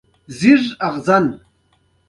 د باختر سرو زرو تاج د نړۍ تر ټولو پیچلی تاج دی